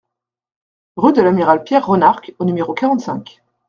Rue de l'Amiral Pierre Ronarc'h au numéro quarante-cinq